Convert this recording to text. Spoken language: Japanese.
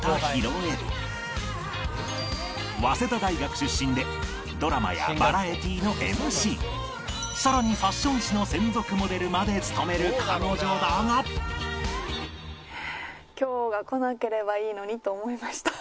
早稲田大学出身でドラマやバラエティーの ＭＣ さらにファッション誌の専属モデルまで務める彼女だがと思いました。